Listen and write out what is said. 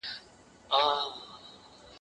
د لېوه له خولې به ولاړ سمه قصاب ته